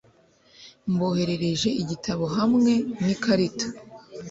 Mboherereje igitabo hamwe n'ikarita.